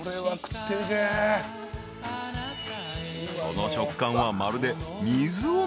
［その食感はまるで］